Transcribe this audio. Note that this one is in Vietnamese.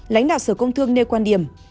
lãnh đạo sở công thương nêu quan điểm